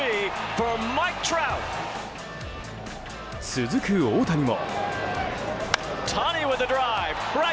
続く大谷も。